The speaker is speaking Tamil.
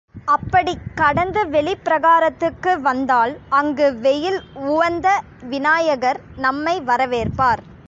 அப்படிச் கடந்து வெளிப்பிரகாரத்துக்கு வந்தால் அங்கு வெயில் உவந்த விநாயகர் நம்மை வரவேற்பார்.